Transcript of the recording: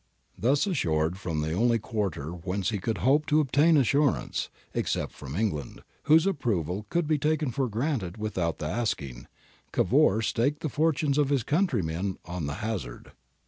''' Thus reassured from the only quarter whence he could hope to obtain assurance — except from England, whose approval could be taken for granted without the asking — Cavour staked the fortunes of his country on the hazard.